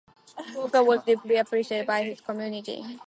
Walker was deeply appreciated by his community.